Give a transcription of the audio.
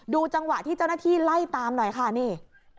จังหวะที่เจ้าหน้าที่ไล่ตามหน่อยค่ะนี่